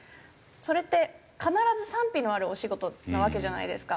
それって必ず賛否のあるお仕事なわけじゃないですか。